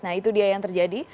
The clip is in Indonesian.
nah itu dia yang terjadi